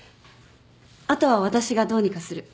あとは私がどうにかする。